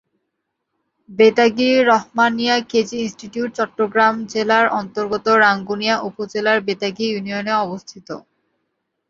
Betagi Rahmania KG institute Chittagong জেলার অন্তর্গত রাঙ্গুনিয়া উপজেলার বেতাগী ইউনিয়নে অবস্থিত।